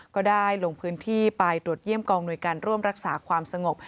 ก็ได้ลงพื้นที่ไปตรวจเยี่ยมกองหน่วยการร่วมรักษาความสงบ